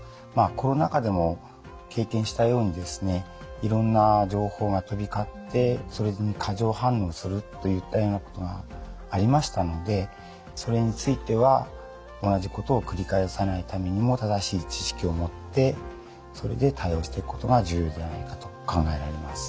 コロナ禍でも経験したようにですねいろんな情報が飛び交ってそれぞれに過剰反応するといったようなことがありましたのでそれについては同じことを繰り返さないためにも正しい知識を持ってそれで対応していくことが重要じゃないかと考えられます。